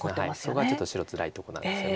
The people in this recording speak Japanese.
そこがちょっと白つらいとこなんですよね。